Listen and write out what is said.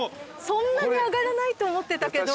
そんなに上がらないと思ったけど。